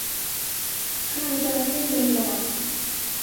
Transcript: พลังจารีตเต็มหลอด